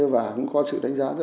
và cũng có sự đánh giá